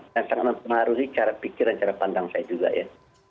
dan sangat mempengaruhi cara pikir dan cara pandang saya juga ya